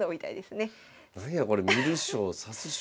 なんやこれ観る将指す将